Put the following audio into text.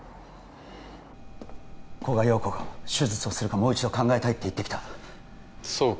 古賀洋子が手術をするかもう一度考えたいって言ってきたそうか